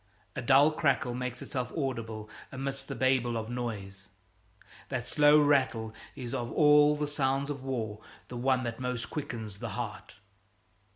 A dull crackle makes itself audible amidst the babel of noise. That slow rattle is of all the sounds of war the one that most quickens the heart.